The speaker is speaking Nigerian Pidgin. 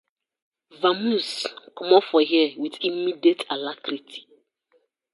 Vamoose comot for here with immediate alarcrity.